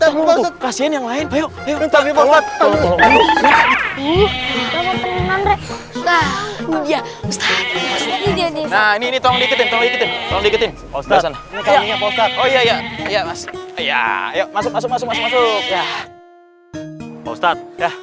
yangnya soal susah ditangkapnya tetap udah tahu kasian yang lain yuk yuk ya